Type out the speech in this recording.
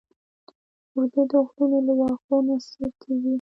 وزې د غرونو له واښو نه سیر کېږي